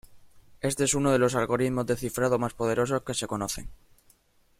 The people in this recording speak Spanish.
Este es uno de los algoritmos de cifrado más poderosos que se conocen.